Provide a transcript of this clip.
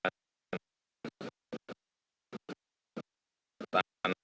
dan saya ingin memastikan bahwa kita akan menjaga tanahnya